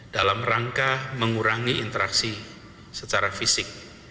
dalam rangka mengurangi interaksi secara fisik